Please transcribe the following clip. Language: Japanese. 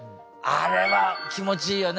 あれは気持ちいいよね。